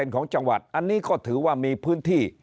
ของจังหวัดอันนี้ก็ถือว่ามีพื้นที่